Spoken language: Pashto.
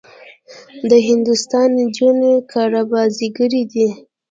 د هندوستان نجونې کړه بازيګرې دي.